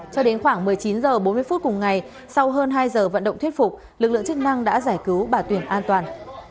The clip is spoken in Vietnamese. cho đến khoảng một mươi chín h bốn mươi phút cùng ngày sau hơn hai giờ vận động thuyết phục lực lượng chức năng đã giải cứu bà tuyển an toàn